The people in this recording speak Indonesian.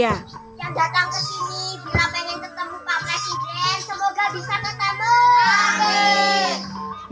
bila ingin bertemu pak presiden semoga bisa bertemu